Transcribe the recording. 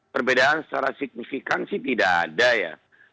perbedaan secara signifikan sih tidak ada ya